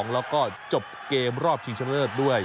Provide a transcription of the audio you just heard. แล้วก็จบเกมรอบชิงชนะเลิศด้วย